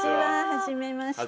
はじめまして。